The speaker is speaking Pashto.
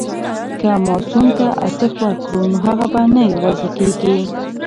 که ماسوم ته ارزښت ورکړو نو هغه نه یوازې کېږي.